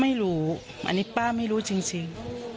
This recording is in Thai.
ไม่รู้อันนี้ป้าไม่รู้จริง